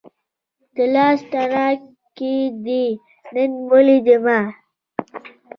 د لاس تڼاکې دې نن ولیدې ما